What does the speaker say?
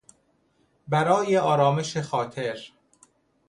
برای آرامش خاطر